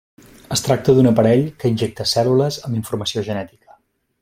Es tracta d'un aparell que injecta cèl·lules amb informació genètica.